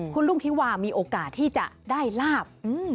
คุณลุงทิวามีโอกาสที่จะได้ลาบ